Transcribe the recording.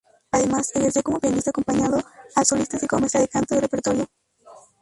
Además, ejerció como pianista acompañando a solistas, y como maestra de canto y repertorio.